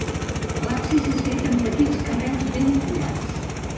L'absis és fet amb petits carreus ben tallats.